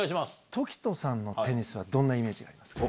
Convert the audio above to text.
凱人さんのテニスはどんなイメージがありますか？